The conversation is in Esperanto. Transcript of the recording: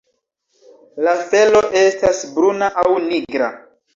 La felo estas bruna aŭ nigra.